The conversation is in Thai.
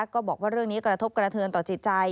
ก็บอกว่าเรื่องนี้กระทบกระเทือนต่อจิตใจ